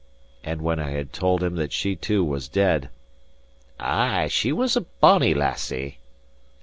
and when I had told him that she, too, was dead, "Ay, she was a bonnie lassie!"